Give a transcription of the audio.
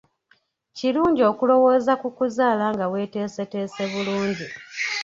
Kirungi okulowooza ku kuzaala nga weeteeseteese bulungi.